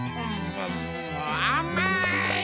あまい！